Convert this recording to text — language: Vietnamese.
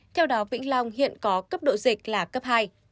theo đó vĩnh long hiện có cấp độ dịch là cấp hai